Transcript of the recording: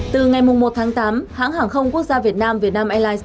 từ ngày một tháng tám hãng hàng không quốc gia việt nam vietnam airlines